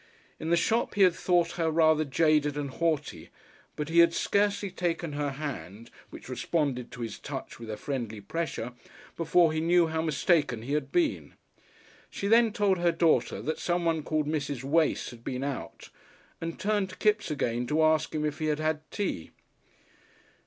In the shop he had thought her rather jaded and haughty, but he had scarcely taken her hand, which responded to his touch with a friendly pressure, before he knew how mistaken he had been. She then told her daughter that someone called Mrs. Wace had been out, and turned to Kipps again to ask him if he had had tea.